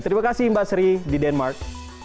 terima kasih mbak sri di denmark